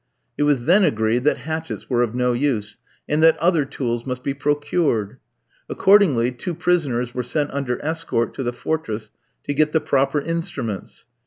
It was then agreed that hatchets were of no use, and that other tools must be procured. Accordingly, two prisoners were sent under escort to the fortress to get the proper instruments.